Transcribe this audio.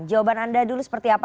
jawaban anda dulu seperti apa